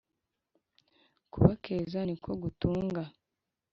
kubakeza ni ko gutunga,